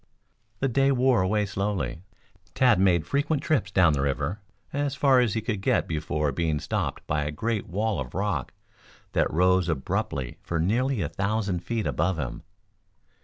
The day wore away slowly. Tad made frequent trips down the river as far as he could get before being stopped by a great wall of rock that rose abruptly for nearly a thousand feet above him.